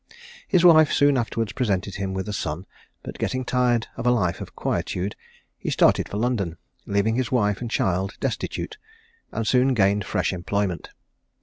His wife soon afterwards presented him with a son; but getting tired of a life of quietude, he started for London, leaving his wife and child destitute, and soon gained fresh employment.